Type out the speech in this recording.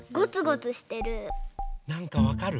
なんかわかる？